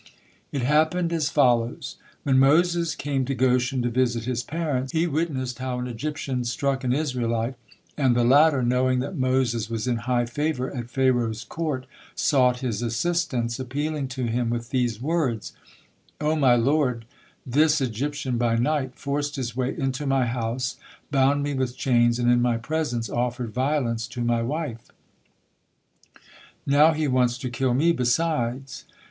It had happened as follows: When Moses came to Goshen to visit his parents, he witnessed how an Egyptian struck an Israelite, and the latter, knowing that Moses was in high favor at Pharaoh's court, sought his assistance, appealing to him with these words: "O, my lord, this Egyptian by night forced his way into my house, bound me with chains, and in my presence offered violence to my wife. Now he wants to kill me besides."